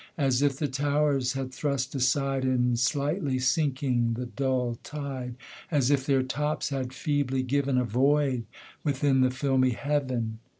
As if the towers had thrust aside, In slightly sinking, the dull tide As if their tops had feebly given A void within the filmy Heaven.